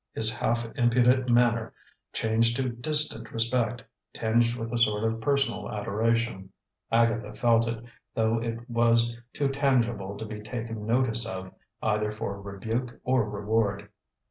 His half impudent manner changed to distant respect, tinged with a sort of personal adoration. Agatha felt it, though it was too intangible to be taken notice of, either for rebuke or reward.